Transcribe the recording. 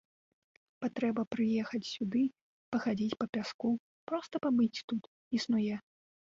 Патрэба прыехаць сюды, пахадзіць па пяску, проста пабыць тут, існуе.